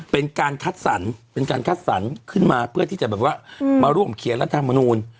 เป็นการคัดสรรค์ขึ้นมาเพื่อที่จะมาร่วมเขียนรัฐธรรมนูญ